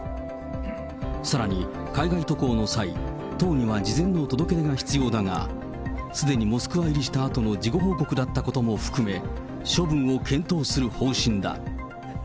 さらに、海外渡航の際、党には事前の届け出が必要だが、すでにモスクワ入りしたあとの事後報告だったことも含め、処分を検討する方針だ。